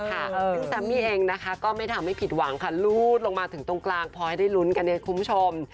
ซึ่งแซมมี่เองนะคะก็ไม่ทำให้ผิดหวังค่ะรูดลงมาถึงตรงกลางพอให้ได้ลุ้นกันเนี่ยคุณผู้ชม